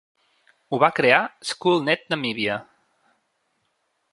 Ho va crear SchoolNet Namibia.